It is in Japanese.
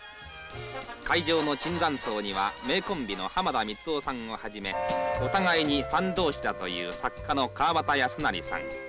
会場の椿山荘には名コンビの浜田光夫さんをはじめお互いにファン同士だという作家の川端康成さん。